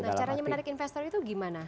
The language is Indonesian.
nah caranya menarik investor itu gimana